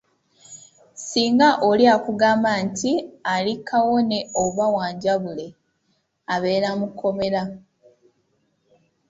Singa oli akugamba nti ali kawone oba wanjabule, abeera mu kkomera.